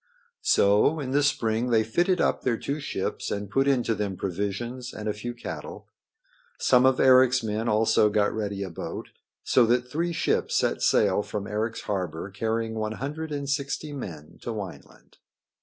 So in the spring they fitted up their two ships and put into them provisions and a few cattle. Some of Eric's men also got ready a boat, so that three ships set sail from Eric's harbor carrying one hundred and sixty men to Wineland.